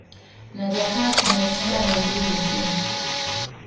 Na jahazi mia saba na mbili tu